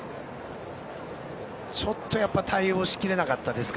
ちょっと対応しきれなかったです